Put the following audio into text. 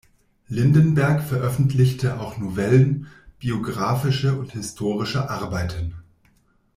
Lindenberg veröffentlichte auch Novellen, biographische und historische Arbeiten.